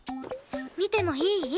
見てもいい？